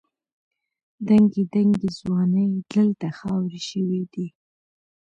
دنګې دنګې ځوانۍ دلته خاورې شوې دي.